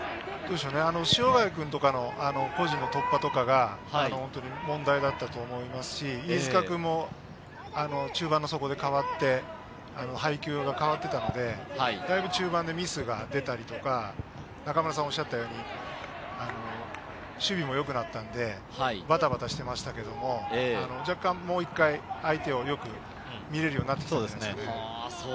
塩貝君とかの個人の突破とかが問題だったと思いますし、飯塚君も中盤のそこで代わって、配球が変わってたのでだいぶ中盤でミスが出たりとか、中村さんがおっしゃったように守備もよくなったのでバタバタしてましたけれど、若干、もう一回相手をよく見れるようになってきてますね。